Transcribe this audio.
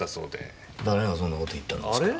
誰がそんなこと言ったんですか？